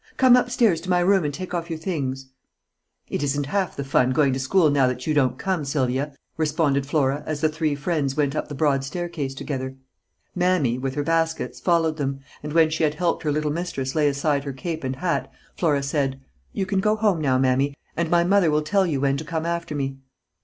Come up stairs to my room and take off your things." "It isn't half the fun going to school now that you don't come, Sylvia," responded Flora, as the three friends went up the broad staircase together. "Mammy," with her baskets, followed them, and when she had helped her little mistress lay aside her cape and hat, Flora said: "You can go home now, Mammy, And my mother will tell you when to come after me."